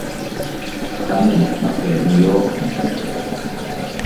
Hany pakediň ýokmy?